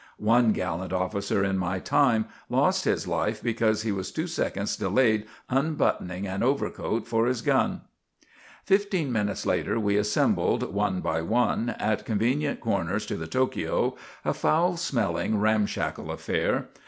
One gallant officer in my time lost his life because he was two seconds delayed unbuttoning an overcoat for his gun. Fifteen minutes later we assembled, one by one, at convenient corners to the Tokio, a foul smelling, ramshackle affair.